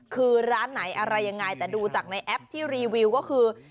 คือร้านไหนอะไรยังไงแต่ดูจากในแอปที่รีวิวก็คือ